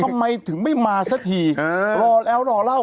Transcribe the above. ทำไมถึงไม่มาสักทีรอแล้วรอเล่า